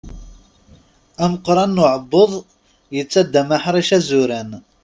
Ameqqran n uɛebbuḍ, yettaddam aḥric azuran.